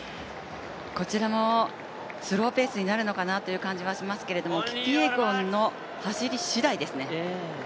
こちらもスローペースになるのかなという感じがしますけれどもキピエゴンの走り次第ですね。